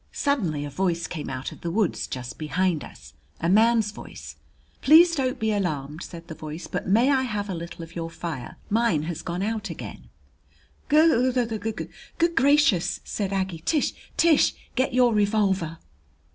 Suddenly a voice came out of the woods just behind us, a man's voice. "Please don't be alarmed," said the voice. "But may I have a little of your fire? Mine has gone out again." "G g g good gracious!" said Aggie. "T Tish, get your revolver!"